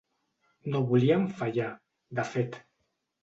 No volien fallar, de fet.